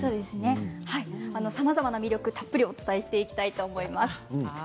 さまざまな魅力をたっぷりお伝えしていきます。